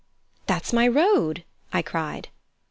"That's my road!" I cried.